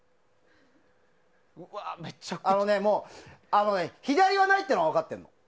あのね、左はないというのは分かってるの。